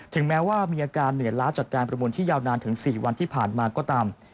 แม้ว่ามีอาการเหนื่อยล้าจากการประมูลที่ยาวนานถึง๔วันที่ผ่านมาก็ตาม